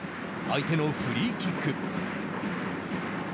相手のフリーキック。